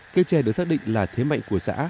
cây chè được xác định là thế mạnh của xã